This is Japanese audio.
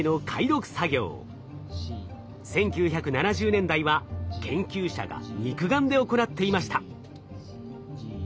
１９７０年代は研究者が肉眼で行っていました。